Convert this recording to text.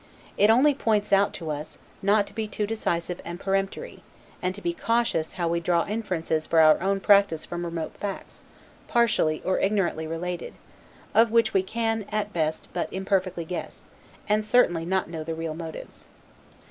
It only points out to us, not to be too decisive and peremptory; and to be cautious how we draw inferences for our own practice from remote facts, partially or ignorantly related; of which we can, at best, but imperfectly guess, and certainly not know the real motives.